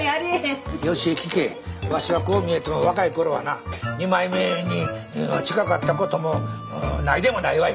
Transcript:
わしはこう見えても若いころはな二枚目に近かったこともないでもないわい！